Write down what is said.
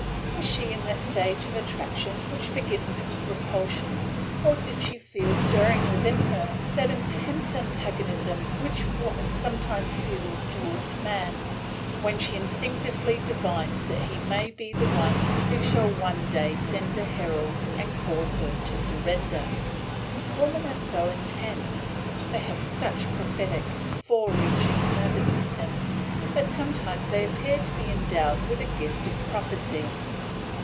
Was she in that stage of attraction which begins with repulsion? Or did she feel stirring within her that intense antagonism which woman sometimes feels toward man, when she instinctively divines that he may be the one who shall one day send a herald and call on her to surrender. Woman are so intense, they have such prophetic, fore reaching, nervous systems, that sometimes they appear to be endowed with a gift of prophecy.